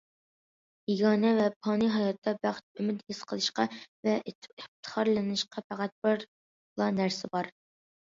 يېگانە ۋە پانىي ھاياتتا بەخت، ئۈمىد ھېس قىلىشقا ۋە ئىپتىخارلىنىشقا پەقەت بىرلا نەرسە بار.